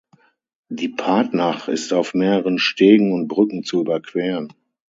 Die Partnach ist auf mehreren Stegen und Brücken zu überqueren.